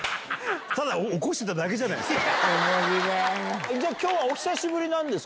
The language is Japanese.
ただ起こしてただけじゃないですか。